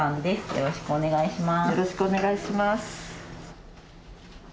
よろしくお願いします。